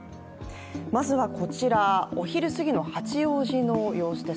まずはこちら、お昼過ぎの八王子の様子です。